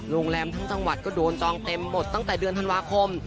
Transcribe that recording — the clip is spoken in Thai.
โรงแรมทั้งจังหวัดก็โดนจองเต็มบทตั้งแต่เดือนธันวาคม